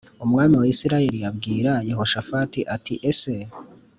Umwami wa Isirayeli abwira Yehoshafati ati ese